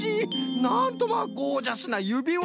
なんとまあゴージャスなゆびわ！